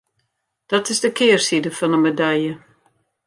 Dat is de kearside fan de medalje.